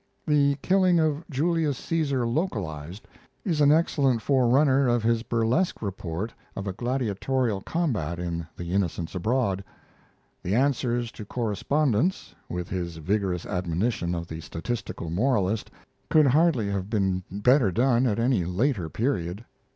"The Killing of Julius Caesar Localized" is an excellent forerunner of his burlesque report of a gladiatorial combat in The Innocents Abroad. The Answers to Correspondents, with his vigorous admonition of the statistical moralist, could hardly have been better done at any later period.